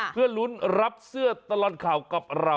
เพื่อลุ้นรับเสื้อตลอดข่าวกับเรา